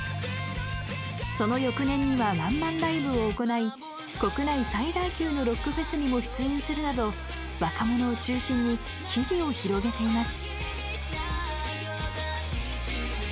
その翌年にはワンマンライブを行い国内最大級のロックフェスにも出演するなど若者を中心に支持を広げています。